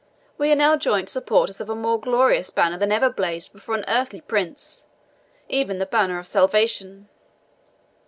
We are now joint supporters of a more glorious banner than ever blazed before an earthly prince, even the Banner of Salvation.